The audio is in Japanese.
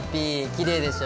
きれいでしょ。